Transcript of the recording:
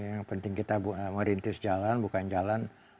yang penting kita merintis jalan bukan jalan